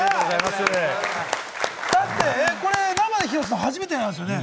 これ、生で披露したの初めてなんですよね？